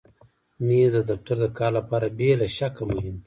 مېز د دفتر د کار لپاره بې له شکه مهم دی.